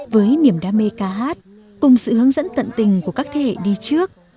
với niềm đam mê ca hát cùng sự hướng dẫn tận tình của các thế hệ đi trước